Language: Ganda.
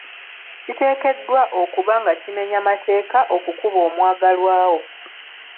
Kiteekeddwa okuba nga kimenya mateeka okukuba omwagalwa wo.